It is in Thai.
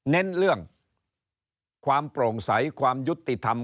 เน้นเรื่องความโปร่งใสความยุติธรรม